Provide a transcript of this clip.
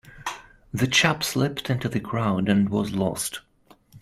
The chap slipped into the crowd and was lost.